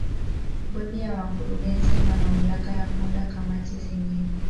bodi ya wakurugenzi ina mamlaka ya kuunda kamati zingine